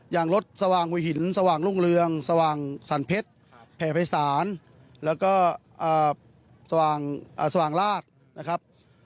อย่างรถสว่างหัวหินสว่างรุ่งเรืองสว่างสรรเพชรแผ่ภัยศาลแล้วก็สว่างราชนะครับ